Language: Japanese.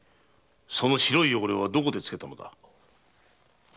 その白い汚れはどこで付けたのだ。